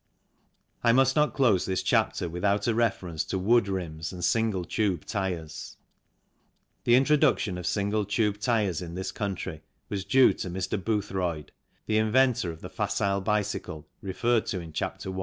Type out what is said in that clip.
I must not close this chapter without a reference to wood rims and single tube tyres. The introduction of single tube tyres in this country was due to Mr. Boothroyd, the inventor of the Facile bicycle referred to in Chapter I.